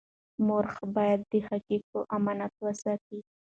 مورخ باید د حقایقو امانت وساتي.